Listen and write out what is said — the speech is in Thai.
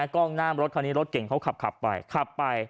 กล้องหน้ารถคันนี้รถเก่งเขาขับไปขับไป